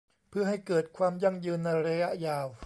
เพื่อให้เกิดความยั่งยืนในระยะยาว